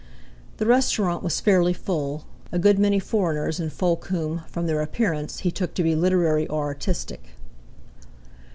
The restaurant was fairly full—a good many foreigners and folk whom, from their appearance, he took to be literary or artistic.